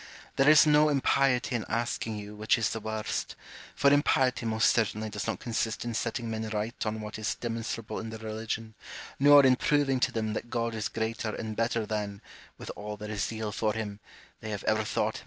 There is no impiety in asking you which is the worst : for impiety most certainly does not consist in setting men right on what is demonstrable in their I'eligion, nor in proving to them that God is greater and better than, with all their zeal for him, they have ever thought him.